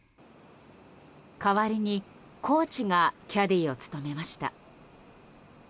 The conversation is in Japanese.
代わりに、コーチがキャディーを務めました。